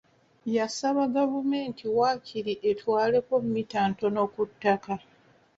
Yasaba gavumenti waakiri ettwaleko mmita ntono ku ttaka.